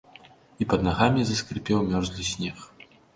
І пад нагамі заскрыпеў мёрзлы снег.